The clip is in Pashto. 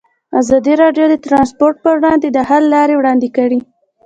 ازادي راډیو د ترانسپورټ پر وړاندې د حل لارې وړاندې کړي.